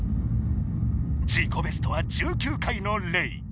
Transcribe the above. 自己ベストは１９回のレイ。